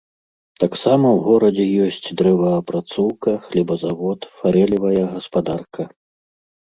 Таксама ў горадзе ёсць дрэваапрацоўка, хлебазавод, фарэлевая гаспадарка.